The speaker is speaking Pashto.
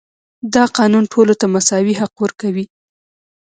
دا قانون ټولو ته مساوي حق ورکوي.